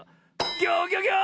ギョギョギョ！